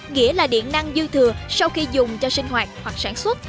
nghĩa là điện năng dư thừa sau khi dùng cho sinh hoạt hoặc sản xuất